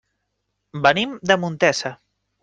Venim de Montesa.